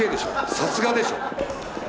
さすがでしょ。